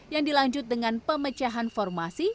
yang dilanjut dengan pemecahan formasi